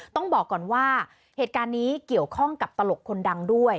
ต้องบอกก่อนว่าเหตุการณ์นี้เกี่ยวข้องกับตลกคนดังด้วย